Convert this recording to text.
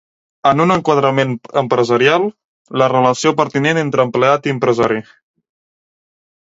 En un enquadrament empresarial, la relació pertinent entre empleat i empresari.